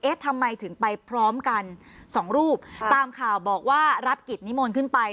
ทำไมถึงไปพร้อมกันสองรูปตามข่าวบอกว่ารับกิจนิมนต์ขึ้นไป